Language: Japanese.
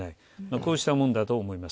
こうしたものだと思います。